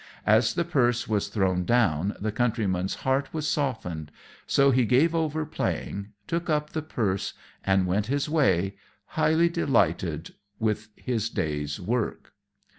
As the purse was thrown down the Countryman's heart was softened; so he gave over playing, took up the purse and went his way, highly delighted with his day's work.